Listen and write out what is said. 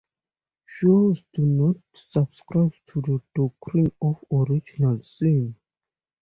Jews do not subscribe to the doctrine of original sin.